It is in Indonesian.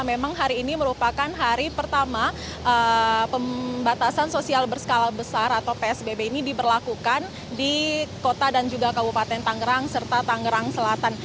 memang hari ini merupakan hari pertama pembatasan sosial berskala besar atau psbb ini diberlakukan di kota dan juga kabupaten tangerang serta tangerang selatan